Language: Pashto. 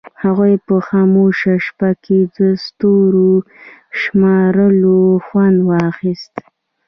هغوی په خاموشه شپه کې د ستورو شمارلو خوند واخیست.